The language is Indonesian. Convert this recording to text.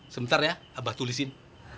sebentar ya mbah tulisin